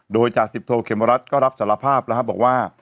โดยจาศิพทูลเขมรัฐก็รับสารภาพแล้วครับบอกว่า